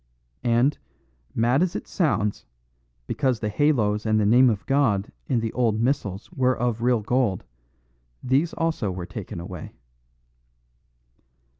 And, mad as it sounds, because the halos and the name of God in the old missals were of real gold; these also were taken away."